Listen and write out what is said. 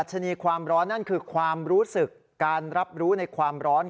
ชนีความร้อนนั่นคือความรู้สึกการรับรู้ในความร้อน